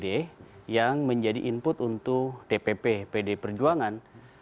di level dpd yang menjadi input untuk dpp pdi perjuangan